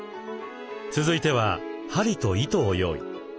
続いては針と糸を用意。